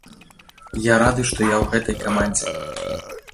Я рады, што я ў гэтай камандзе.